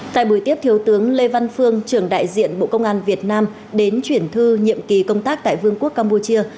tại buổi tiếp thiếu tướng lê văn phương trưởng đại diện bộ công an việt nam đến chuyển thư nhiệm kỳ công tác tại vương quốc campuchia